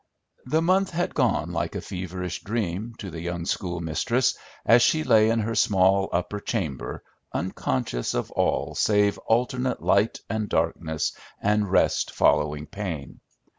The month had gone, like a feverish dream, to the young schoolmistress, as she lay in her small, upper chamber, unconscious of all save alternate light and darkness, and rest following pain.